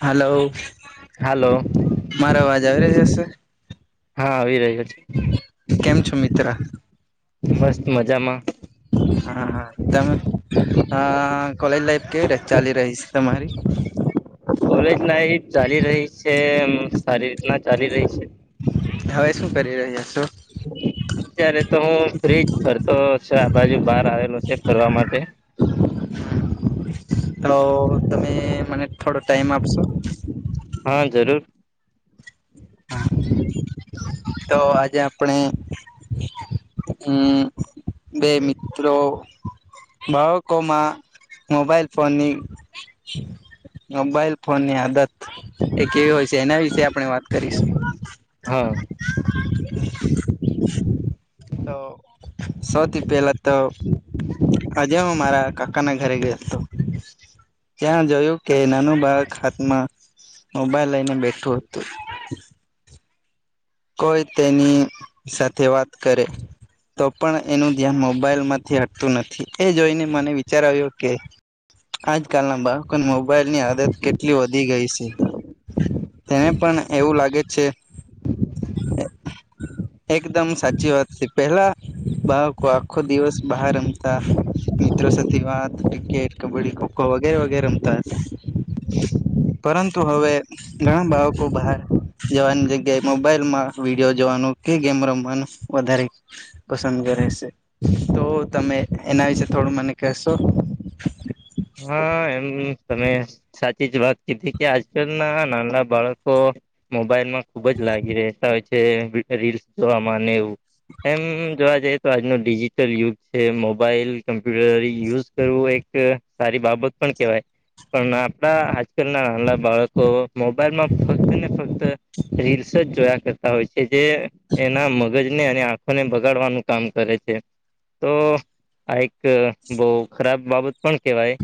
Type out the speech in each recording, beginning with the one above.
હાલો. હાલો રહ્યો હા આવી રહ્યો છે. કેમ છો મિત્ર? મસ્ત મજામાં હા હા તમે કોલેજ લાઈફ કેવી રેય ચાલી રહીશ. [inaudible] કોલેજ લાઈફ ચાલી રહી છે એ સારી રીતના ચાલી રહી છે. હવે શું કરી રહ્યા છો? અત્યારે તો હું ફ્રીજ ફરતો છે આ બાજુ બહાર આવેલો છે ફરવા માટે તો તમે મને થોડો ટાઈમ આપશો? હા જરૂર હા તો આજે આપણે. હમ્મ બે મિત્રો બાહો કોમાં મ મોબાઈલ ફોનની મોબાઈલ ફોન ની આદત એ કેવી હોય છે એના વિશેે આપણે વાત કરીશું. હા. [inaudible] તો સૌથી પહેલા તો આજે હ મારા કાકા ના ઘરે ગયોતો. ત્યાં જોયું કે નાનું બાળક હાથમાં મોબાઈલ લઈને બેઠું હતું. કોઈ તેની સાથે વાત કરે. તો પણ એનું ધ્યાન મોબાઈલ માંથી હટતું નથી એ જોઈને મને વિચાર આવ્યો કે આજકાલના બાળકોને મોબાઈલ ની આદત કેટલી વધી ગઈ છે. તેને પણ એવું લાગે છે. એકદમ સાચી વાત હતી પેહેલા બહકો આખ્ખો દિવસ બહા રામતા મિત્રો સાથે વાત ક્રિકેટ કબડ્ડી ખોખો વગેરે વગેરેમતા હતા. પરંતુ હવે ઘણા બાળકો બહાર જવાની જગ્યાએ મો મોબાઈલમાં વિડીયો જોવાનું કે ગેમ રમવાનું વધારે પસંદ કરે છે તો તમે એના વિશે થોડું મને કહેશો? હા એમ તમે સાચી જ વાત જેથી કે આજકાલ ના નાના બાળકો મોબાઈલમાં ખુબ જ લાગી રહેતા હોય છે. રીસ, જોવા એવું એમ જોવા જઈ તો આજનો ડિજિટલ યુગ છે મોબાઈલ કમ્પ્યુટર યુઝ કરવો એક સારી બાબત પણ કેવાય પણ આપણા આજકાલના નાના બાળકો મોબાઈલમાં ફક્ત ને ફક્ત રીલ્સ જ જોયા કરતા હોય છે, જે એના મગજને અને આંખોને બગાડવાનું કામ કરે છે. તો આ એક બહુ ખરાબ બાબત પણ કેહેવાય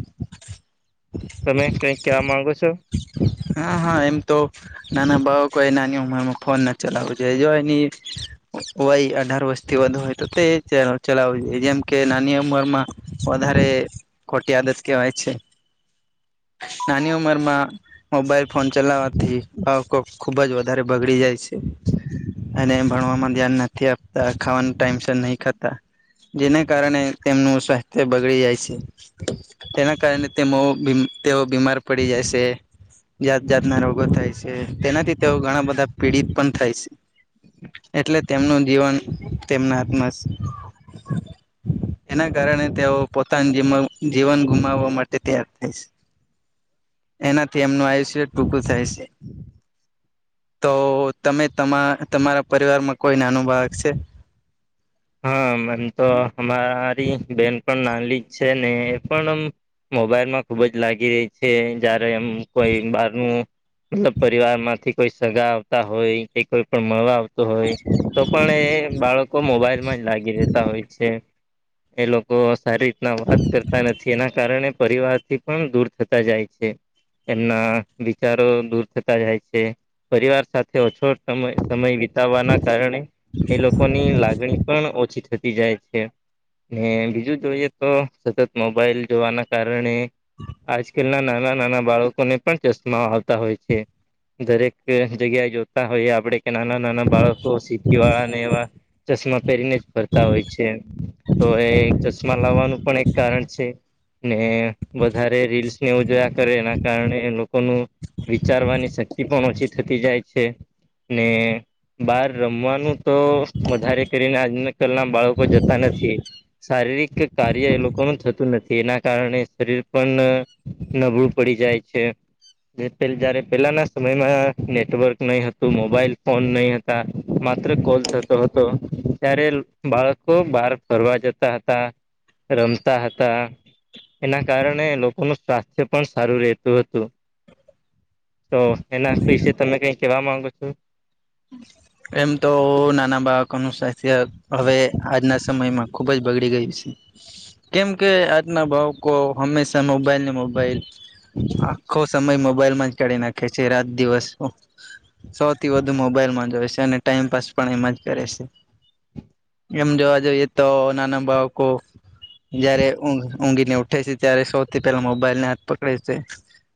તમે કઈક કહેવા માંગો છો. હા હા એમ તો નાના બાળકો એ નાની ઉંમરમાં ફોન ના ચલાવું જો જો એની હોય અઢાર વર્ષથી વધુ હોય તો તે ચલાવું જોઈએ જેમ કે નાની ઉંમરમાં વધારે ખોટી આદત કહેવાય છે નાની ઉમરમાં મોબાઈલ ફોન ચલાવવાથી બાળકો ખૂબ જ વધારે બગડી જાય છે. અને ભણવાવામાં ધ્યાન નથી આપતા ખાવાનું ટાઈમ સર નહી ખાતા. જેના કારણે તેમનું સ્વાસ્થ્ય બગડી જાય છે. તેના કારણે તેમાં તેઓ બીમાર પડી જાય છે. જાત જાતના રોગો થાય છે, તેનાથી તેઓ ઘણા બધા પીડિત પણ થાય છે. એટલે તેમનું જીવન તેમના હાથમાં એના કારણે તેઓ પોતાની જ જીવન ગુમાવવા માટે તૈયાર થાય છે. એનાથી એમનું આયુષ્ય ટૂંકું થાય છે. તો તમે તમા તમારા પરિવારમાં કોઈ નાનું બાળક છે. હા એમ તો અમારી બેન પણ નાની જ છે ને પણ આમ મોબાઈલ માં ખુબ જ લાગી રહી છે જયારે એમ કોઈ બારનૂ મતલબ પરિવાર માંથી કોઈ સગા આવતા હોય કે કોઈ પણ મળવા આવતા હોય તો પણ એ બાળકો મોબાઈલ હોય છે એ લોકો સારી રીતના વાત કરતા નથી એના કારણે પરિવારથી પણ દૂર થતા જાય છે. એમના વિચારો દૂર થતા જાય છે. પરિવાર સાથે ઓછો સમય સમય વિતાવવાના કારણે એ લોકોની લાગણી પણ ઓછી થતી જાય છે. ને બીજું જોઈએ તો સતત મોબાઈલ જોવાના કારણે આજકાલના નાના નાના બાળકોને પણ ચશ્મા આવતા હોય છે. દરેક જગ્યાએ જોતા હોઈએ આપડે કે નાના નાના બાળકો તો સીટી વાળા ને એવા ચશ્મા પહેરીને જ ફરતા હોય છે, તો એ ચશ્મા લાવવાનું પણ એક કારણ છે. ને વધારે રીલ્સ ને ઉજવયા કરે એના કારણે લોકોનું વિચારવાની શક્તિ પણ ઓછી થતી જાય છે. ને બાર રમવાનું તો વધારે આજ કલ ના બાળકો જતા નથી. શારીરિક કાર્ય એ લોકોનું થતું નથી એના કારણે શરીર પણ નબળું પડી જાય છે. જયારે પેલાના સમયમાં નેટવર્ક નહી હતું, મોબાઈલ ફોન નહી, માત્ર કોલ થતો હતો. ત્યારે બાળકો બહાર ફરવા જતા હતા, રમતા હતા. એના કારણે લોકોનું સ્વાસ્થ્ય પણ સારું રહેતું હતું. તો એના વિશે તમે કઈ કહેવા માંગો છો? એમ તો નાના બાળકોનું સ્વાસ્થ્ય હવે આજના સમયમાં ખૂબ જ બગડી ગયું છે. કેમ કે આજના ભાવકો હંમેશા મોબાઈલ ને મોબાઈલ આખો સમય મોબાઈલમાં જ કરી નાખે છે રાત દિવસ સૌથી વધુ મો- મોબાઈલમાં જોય છે અને ટાઈમપાસ પણ એમ જ કરે છે. એમ જોવા જઈએ તો નાના બાળકો જયારે ઊંઘીને ઉઠે છે ત્યારે સૌથી પેલા મોબાઈલ ને હાથ પકડે છે.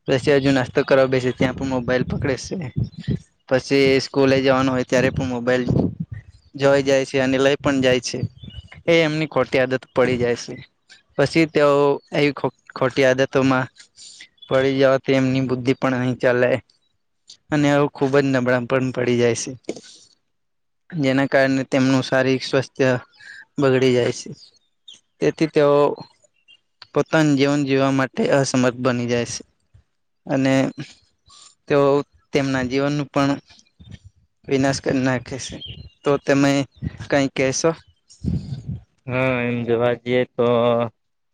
પછી હજુ નાસ્તો કરવા બેસે ત્યાં પણ મોબાઈલ પકડે છે, પછી સ્કૂલે જવાનું હોય ત્યારે પણ મોબાઈલ જોઈ જાય છે અને લઈ પણ જાય છે એ એમની ખોટી આદત પડી જાય છે પછી તેઓ આવી ખોટી આદતોમાં પળી જવાથી એમની બુદ્ધિ પણ અહી ચાલે અને આવું ખુબ જ નબળમ પણ પડી જાય છે જેના કારણે તેમનું શારીરિક સ્વાસ્થ્ય બગડી જાય છે તેથી તેઓ પોતાનું જીવન જીવવા માટે અસમર્થ બની જાય છે અને તેઓ તેમના જીવનનું પણ વિનાશ કરી નાખે છે તો તમે કઈ કહેશો હા એમ જોવા જઈએ તો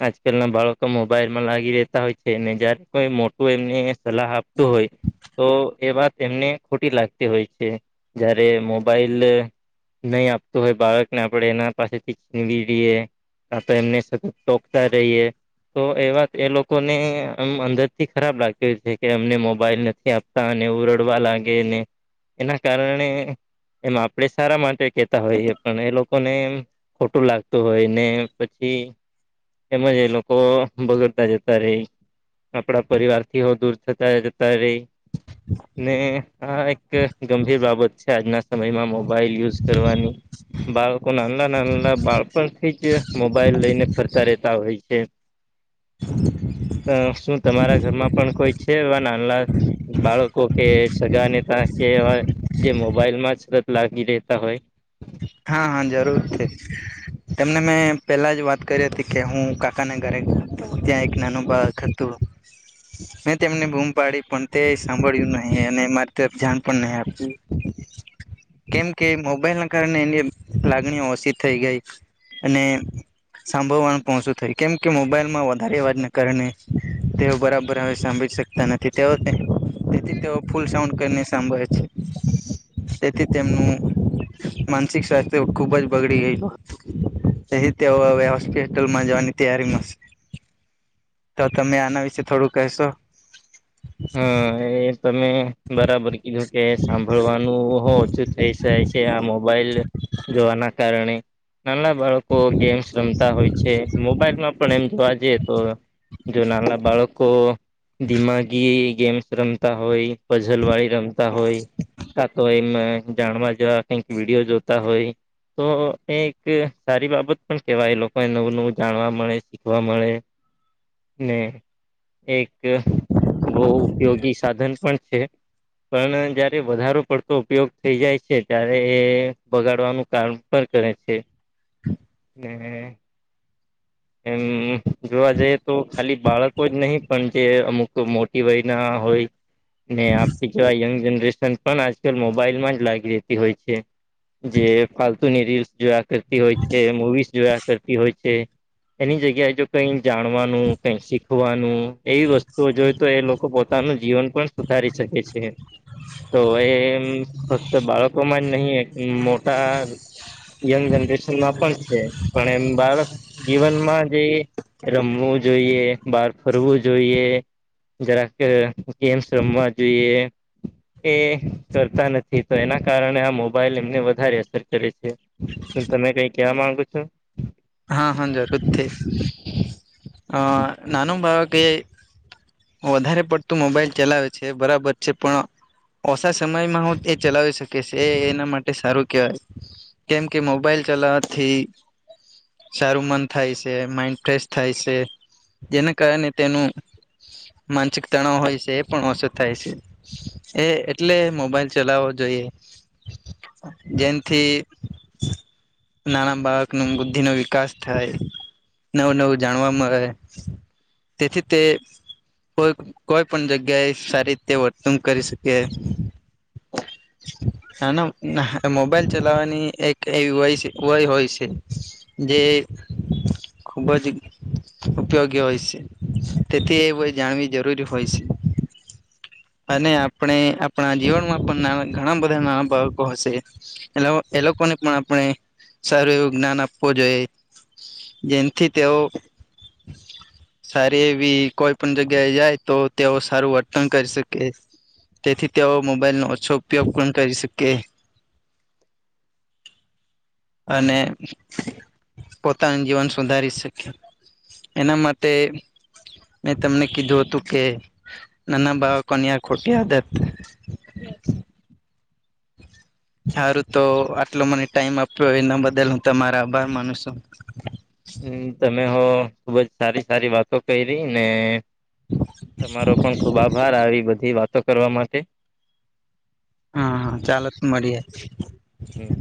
આજકાલ ના બાળકો મોબાઈલમાં લાગી રહેતા હોય છે ને જયારે કોઈ મોટું એમને સલાહ આપતું હોય તો એ વાત એમને ખોટી લાગતી હોય છે જયારે મોબાઈલ નહી આપતું હોય બાળકને આપડે એના પાસેથી રએ આ તો એમને સતત તોકતા રહીએ તો એ વાત એ લોકોનેમ અંદર થી ખરાબ લાગી છે કે અમને મોબાઈલ નથી આપ તને ઉરડવા લાગે ને એના કારણે એમાં આપણે સારા માટે કેહેતા હોઈએ પણ એ લોકોને એમ ખોટું લાગતું હોય ને પછી એમજ એ લોકો બગડતા જતા રેય આપણા પરિવાર થી હ દૂર થતા જતા રહી ને આ એક ગંભીર બાબત છે આજના સમયમાં મોબાઈલ યુઝ કરવાની બાળકો નાના ના બાળપણથી જ મોબાઈલ લઈને ફરતા રહેતા હોય છે [inaudible] અ શું તમારા ઘરમાં પણ કોઈ છે એ નાનલા બાળકો કે સગા નેતા કે જે મોબાઈલ માં તત લાગી લેતા હોય હા હા જરૂર થી તેમને મેં પેલા જ વાત કરી હતી કે હું કાકાના ઘરે ત્યાં એક નાનું બા તો મે તેમને બૂમ પાડી પણ તે સાંભળ્યું નહી અને મારી ત જાણ પણ નહી આપજે કેમ કે મોબાઈલ કા કારણે એની લાગણીઓ ઓછી થઈ ગઈ અને સાંભળવાનું પહોંચું થય કેમ કે મોબાઈલમાં વધારે અવાજના કારણે તેઓ બરાબર હવે સાંભળી શકે. તના ત તે હો તેથી તેઓ ફૂલ સાઉન્ડ કરીને સાંભળે છે તેથી તેમનું માનસિક સ્વાસ્થ્ય ખુબ જ બગડી ગય હોત અહી તેઓ હવે હોસ્પિટલમાં જવાની તૈયારીમાં શે તો તમે આના વિશે થોડું કહેશો. હા એ તમે બરાબર કીધું કે સાંભળવાનું ઓછું થઈ જાય છે આ મોબાઈલ જોવાના કારણે નાના બાળકો ગેમ્સ રમતા હોય છે મોબાઈલમાં પણ એમ જોવા જઈએ તો જો નાના બાળકો દિમાાગી ગેમ્સ રમતા હોય પઝલવાળી રમતા હોય કાં તો એમાં જાણવાં જેવા કંઈક વિડીયો જોતા હોય તો એ એક સારી બાબત પણ કેવાય એ લોકોને નવું નવું જાણવા મળે શીખવા મળે ને એક બહુ ઉપયોગી સાધન પણ છે પણ જયારે વધારે પડતો ઉપયોગ થઈ જાય છે ત્યારે એ બગાડવાનું કામ પણ કરે છે. [inaudible] એ એમ જોવા જઈએ તો ખાલી બાળક કોઈ જ નહીં પણ જે અમુક મોટી વય ના હોય ને આપતી જેવા યંગ જનરેશન પણ આજકાલ મોબાઈલમાં જ લાગી રહેતી હોય છે. જે ફાલતુની રીલ્સ જોયા કરતી હોય છે મૂવીસ જોયા કરતી હોય છે. એની જગ્યાએ જો કઈ જાણવાનું કઈ શીખવાનું એવી વસ્તુ તો જોઈ તો એ લોકો પોતાનું જીવન પણ સુધારી શકે છે. તો એ ફક્ત બાળકો માં જ નહીિ મોટા યંગ જનરેશનમાં પણ છે પણ એમ બાળક જીવનમાં જે રમવું જોઈએ બહાર ફરવું જોઈએ જરા કે ગેમ્સ રમવા જોઈએ એ કરતા નથી તો એના કારણે આ મોબાઈલ એમને વધારે અસર કરે છે શું તમે કઈ ક્યાં માંગુ છો હા હા જર થ આ નાનું ભાગ કે વધારે પડતું મોબાઈલ ચલાવે છે બરાબર છે પણ ઓછા સમયમાં હું એ ચલાવી શકેશ એના માટે સારું કેહેવાય કેમ કે મોબાઈલ ચલાવાથી સારું મન થાય છે માઈન્ડ ફ્રેશ થાય છે જેના કારણે તેનું માનસિક તણાવ હોય છે એ પણ ઓછો થાય છે એ એટલે મોબાઈલ ચલાવવો જોઈએ જેૈથી નાના બાળક ન બુદ્ધિ નવી વિકાસ થાય નવું નવું જાણવા મળે તેથી તે કોઈ કોઈ પણ જગ્યાએ સારી રીતે વર્તન કરી શકે [inaudible] ના ના મોબાઈલ ચલાવવાની એક એવી હોય હોય હોય છે જે ખૂબ જ ઉપયોગી હોય છે તેથી એ જાણવી જરૂરી હોય છે અને આપણે આપણા જીવનમાં પણ ઘણા બધા નાના બાળકો હશે એ એ લોકોને પણ આપણે સારું એવું જ્ઞાન આપ આપો જોઈએ જેમથી તેઓ સારી એવી કોઈ પણ જગ્યાએ જાય તો તેઓ સારું વર્તન કરી શકે તેથી તેઓ મોબાઈલ નો ઓછો ઉપયોગ પણ કરી શકે કે અને પોતાનું જીવન સુધારી શકે એના માટે મેં તમને કીધું હતું કે નાના બાળકોની આ ખોટી આદત સારું તો આટલો મને ટાઈમ આપ્યો એના બદલ હું તમારા બાર માણ છો હમ તમે હો ખુબ જ સારી સારી વાતો કરી રહી ને તમારો પણ ખુબ આભાર આવી બધી વાતો કરવા માટે હા હા ચાલત મળી જાય હમ